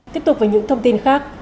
tiếp tục với những thông tin khác